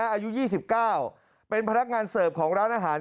อายุยี่สิบเก้าเป็นพนักงานเสิร์ฟของร้านอาหาร